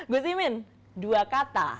gus imin dua kata